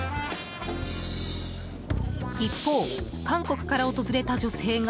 一方、韓国から訪れた女性が。